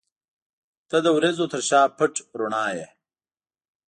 • ته د وریځو تر شا پټ رڼا یې.